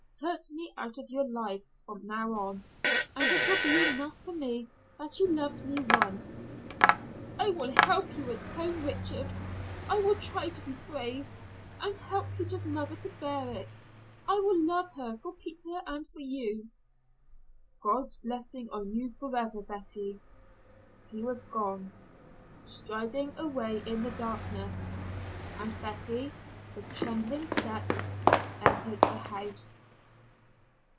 Put me out of your life from now on, and it will be enough for me that you loved me once." "I will help you atone, Richard. I will try to be brave and help Peter's mother to bear it. I will love her for Peter and for you." "God's blessing on you forever, Betty." He was gone, striding away in the darkness, and Betty, with trembling steps, entered the house.